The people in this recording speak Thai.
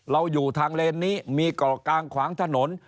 อยู่ทางเลนนี้มีเกาะกลางขวางถนน